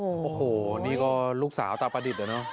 โอ้โหนี่ก็ลูกสาวตาประดิษฐ์อะเนาะ